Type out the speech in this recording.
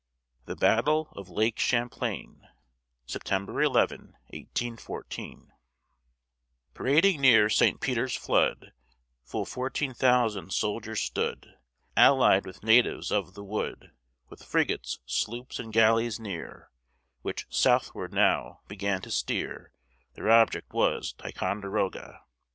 THE BATTLE OF LAKE CHAMPLAIN [September 11, 1814] Parading near Saint Peter's flood Full fourteen thousand soldiers stood; Allied with natives of the wood, With frigates, sloops, and galleys near; Which southward, now, began to steer; Their object was, Ticonderogue.